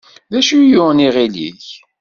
D acu i yuɣen iɣil-ik?